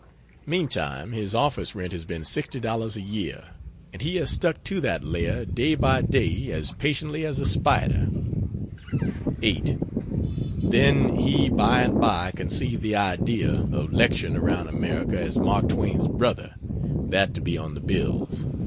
Meantime his office rent has been $60 a year, and he has stuck to that lair day by day as patiently as a spider. 8. Then he by and by conceived the idea of lecturing around America as "Mark Twain's Brother" that to be on the bills.